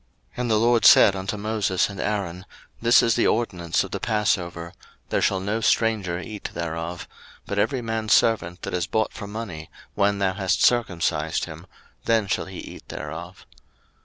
02:012:043 And the LORD said unto Moses and Aaron, This is the ordinance of the passover: There shall no stranger eat thereof: 02:012:044 But every man's servant that is bought for money, when thou hast circumcised him, then shall he eat thereof.